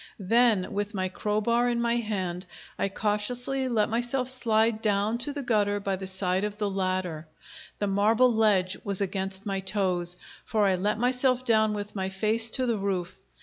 Then, with my crowbar in my hand, I cautiously let myself slide down to the gutter by the side of the ladder; the marble ledge was against my toes, for I let myself down with my face to the roof.